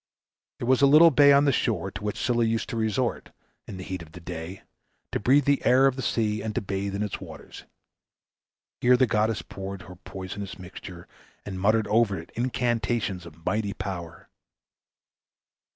There was a little bay on the shore to which Scylla used to resort, in the heat of the day, to breathe the air of the sea, and to bathe in its waters. Here the goddess poured her poisonous mixture, and muttered over it incantations of mighty power.